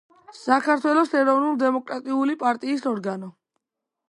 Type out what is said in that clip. საქართველოს ეროვნულ-დემოკრატიული პარტიის ორგანო.